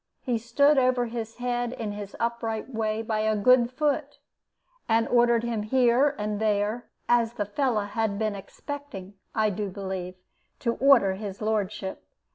He stood over his head in his upright way by a good foot, and ordered him here and there, as the fellow had been expecting, I do believe, to order his lordship.